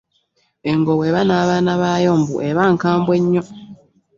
Engo bw'eba n'abaana baayo mbu eba nkambwe nnyo.